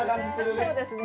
そうですね。